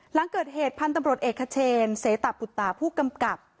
หลังเกิดเหตุพันธุ์ตำรวจเอกเชนเสตะปุตตาผู้กำกับ